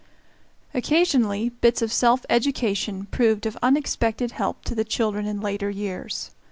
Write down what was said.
Occasionally bits of self education proved of unexpected help to the children in later years.